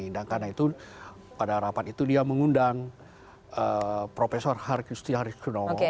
dan karena itu pada rapat itu dia mengundang prof hargusti harisunowo